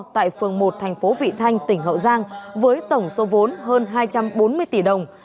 tại phường một thành phố vị thanh tỉnh hậu giang với tổng số vốn hơn hai trăm bốn mươi tỷ đồng